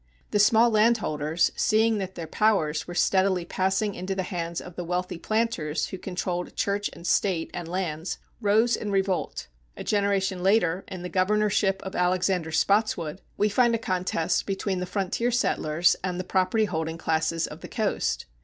The small landholders, seeing that their powers were steadily passing into the hands of the wealthy planters who controlled Church and State and lands, rose in revolt. A generation later, in the governorship of Alexander Spotswood, we find a contest between the frontier settlers and the property holding classes of the coast.